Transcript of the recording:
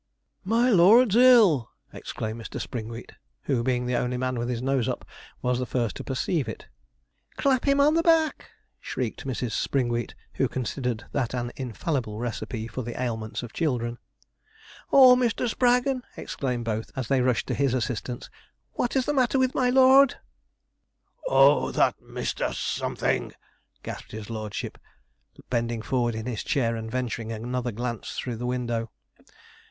'My lord's ill!' exclaimed Mr. Springwheat, who, being the only man with his nose up, was the first to perceive it. 'Clap him on the back!' shrieked Mrs. Springwheat, who considered that an infallible recipe for the ailments of children. 'Oh, Mr. Spraggon!' exclaimed both, as they rushed to his assistance, 'what is the matter with my lord?' 'Oh, that Mister something!' gasped his lordship, bending forward in his chair, and venturing another glance through the window.